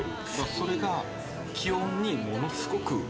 それが企業にものすごく。